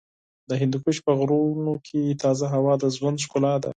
د هندوکش په غرونو کې تازه هوا د ژوند ښکلا ده.